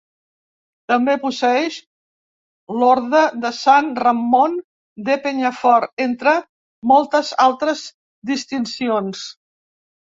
També posseeix l'Orde de Sant Ramon de Penyafort, entre moltes altres distincions.